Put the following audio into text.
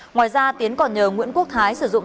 ngoài ra tiến còn nhờ nguyễn quốc thái sử dụng